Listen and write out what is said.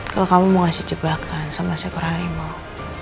kalau kamu mau kasih jebakan sama siapa harimau